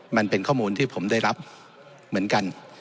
มันเป็นข้อมูลที่ผมได้รับเหมือนกัน